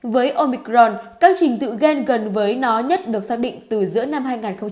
với omicron các trình tự gen gần với nó nhất được xác định từ giữa năm hai nghìn hai mươi